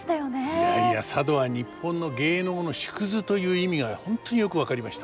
いやいや佐渡は日本の芸能の縮図という意味が本当によく分かりました。